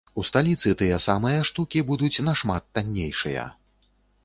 У сталіцы тыя самыя штукі будуць нашмат таннейшыя.